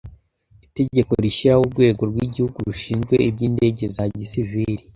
Itegeko rishyiraho Urwego rw Igihugu rushinzwe iby indege za gisiviri